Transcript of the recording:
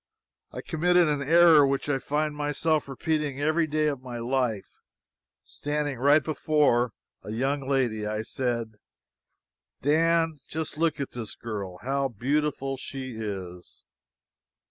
I committed an error which I find myself repeating every day of my life. Standing right before a young lady, I said: "Dan, just look at this girl, how beautiful she is!"